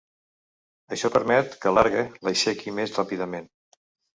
Això permet que l'argue l'aixequi més ràpidament.